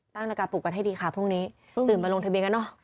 หน้ากากปลูกกันให้ดีค่ะพรุ่งนี้ตื่นมาลงทะเบียนกันเนอะ